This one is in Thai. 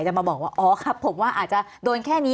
จะมาบอกว่าอ๋อครับผมว่าอาจจะโดนแค่นี้